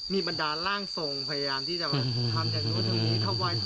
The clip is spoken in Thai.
มีบรรดาล่างทรงพยายามที่จะมาทำจากนู้นตรงนี้